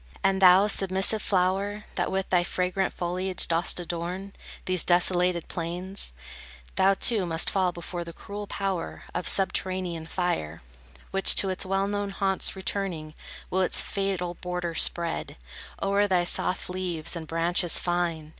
And thou, submissive flower, That with thy fragrant foliage dost adorn These desolated plains, Thou, too, must fall before the cruel power Of subterranean fire, Which, to its well known haunts returning, will Its fatal border spread O'er thy soft leaves and branches fine.